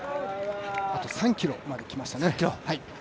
あと３ｋｍまできましたね。